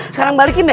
sekarang balikin deh